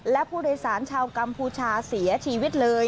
และผู้โดยสารชาวกัมพูชาเสียชีวิตเลย